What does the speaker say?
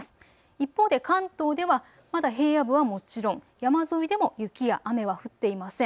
一方で関東ではまだ平野部はもちろん、山沿いでも雪や雨は降っていません。